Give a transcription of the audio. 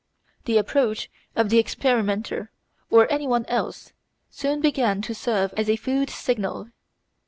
The approach of the experimenter or anyone else soon began to serve as a food signal.